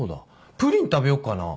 プリン食べよっかな。